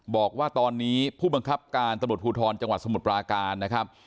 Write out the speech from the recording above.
บอกว่าตอนนี้ผู้บังคับการตำรวจภูทรจังหวัดสมุทรปราการนะครับ